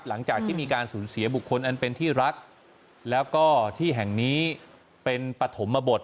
หลังจากที่มีการสูญเสียบุคคลอันเป็นที่รักแล้วก็ที่แห่งนี้เป็นปฐมบท